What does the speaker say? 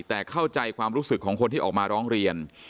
แต่เข้าใจความรู้สึกของคนที่ออกมาร้องเรียน